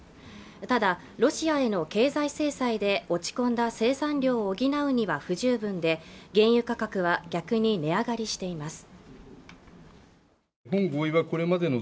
ただロシアへの経済制裁で落ち込んだ生産量を補うには不十分で原油価格は逆に値上がりしています